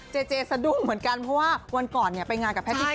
เจ๊สะดุงเหมือนกันเพราะวันก่อนไปงานกับแพทย์ดิเซีย